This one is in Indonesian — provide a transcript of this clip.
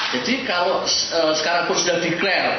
jadi kalau sekarang pun sudah di declare